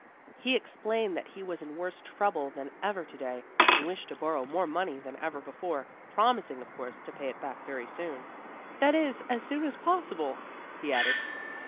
He explained that he was in worse trouble than ever to day, and wished to borrow more money than ever before; promising, of course, to pay it back very soon; "that is, as soon as possible," he added.